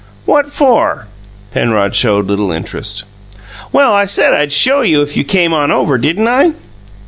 "What for?" Penrod showed little interest. "Well, I said I'd show you if you came on over, didn't I?"